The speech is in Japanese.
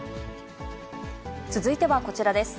続いてはこちらです。